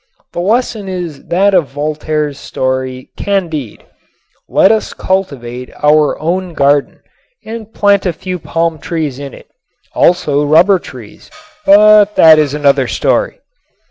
The lesson is that of Voltaire's story, "Candide," "Let us cultivate our own garden" and plant a few palm trees in it also rubber trees, but that is another story.